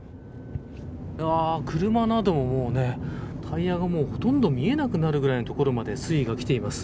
車などもタイヤがほとんど見えなくなるくらいのところまで水位がきています。